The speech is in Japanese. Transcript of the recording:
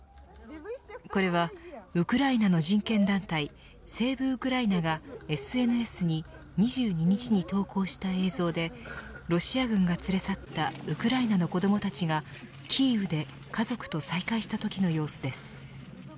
これはウクライナの人権団体セーブ・ウクライナがＳＮＳに２２日に投稿した映像でロシア軍が連れ去ったウクライナの子どもたちがキーウで家族と再会したときの様子です。